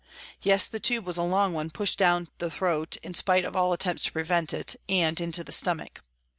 Yes, the tube was a long one, pushed down the throat, in spite of all attempts to prevent it, and into the stomach.